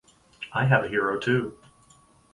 I have a hero too.